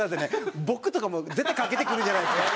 僕とかも絶対かけてくるじゃないですか。